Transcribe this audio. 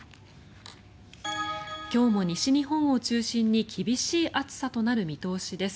今日も西日本を中心に厳しい暑さとなる見通しです。